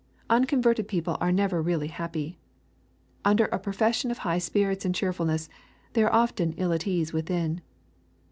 Unconverted people are never really happy. Under a profession of high spirits and cheerfulness, they are often ill at ease within.